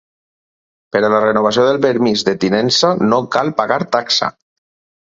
Per a la renovació del permís de tinença no cal pagar taxa.